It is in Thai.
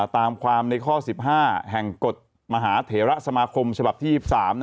ตามความในข้อ๑๕แห่งกฎมหาเถระสมาคมฉบับที่๒๓